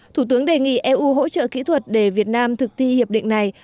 thủ tướng đề nghị eu hỗ trợ kỹ thuật để việt nam thực thi hiệp định này